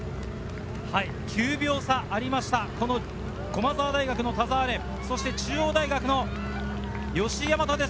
９秒差がありました駒澤大学の田澤廉、中央大学の吉居大和です。